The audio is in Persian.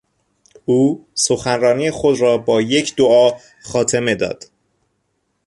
او سخنرانی خود را با یک دعا خاتمه داد.